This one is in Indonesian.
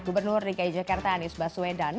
gubernur dki jakarta anies baswedan